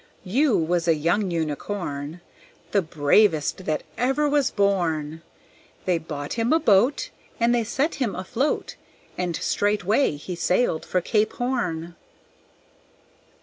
U was a young Unicorn, The bravest that ever was born. They bought him a boat And they set him afloat, And straightway he sailed for Cape Horn.